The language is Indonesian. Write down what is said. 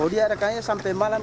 oh dia ada kayaknya sampai malam